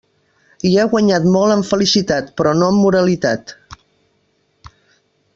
Hi ha guanyat molt en felicitat, però no en moralitat.